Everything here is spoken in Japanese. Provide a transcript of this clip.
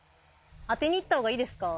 当てに行ったほうがいいですか？